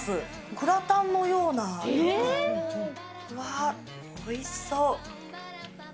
グラタンのような、わー、おいしそう。